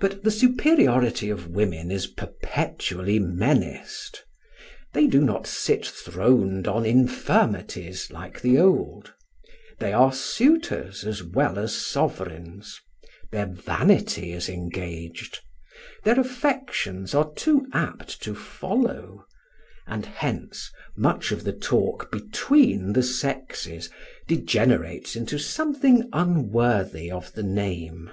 But the superiority of women is perpetually menaced; they do not sit throned on infirmities like the old; they are suitors as well as sovereigns; their vanity is engaged, their affections are too apt to follow; and hence much of the talk between the sexes degenerates into something unworthy of the name.